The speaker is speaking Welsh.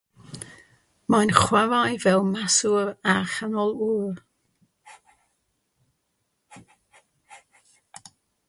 Mae'n chwarae fel maswr a chanolwr.